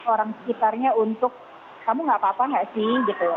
orang sekitarnya untuk kamu gak apa apa nggak sih gitu